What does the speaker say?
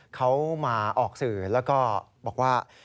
เขามาออกสื่อแล้วก็บอกว่า